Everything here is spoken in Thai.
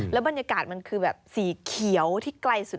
บรรยากาศมันคือแบบสีเขียวที่ไกลสุด